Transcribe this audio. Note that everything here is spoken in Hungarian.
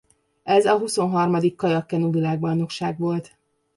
Ez a huszonharmadik kajak-kenu világbajnokság volt.